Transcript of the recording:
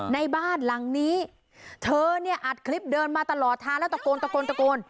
ในบ้านหลังนี้เธอเนี่ยอัดคลิปเดินมาตลอดทางแล้วตะโกนตะโกน